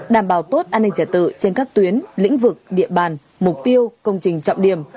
đảm bảo tốt an ninh trả tự trên các tuyến lĩnh vực địa bàn mục tiêu công trình trọng điểm